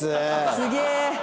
すげえ。